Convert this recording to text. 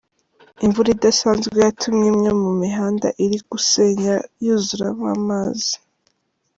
Imvura idasanzwe yatumye imwe mu mihanda iri gusanya yuzuramo amazi .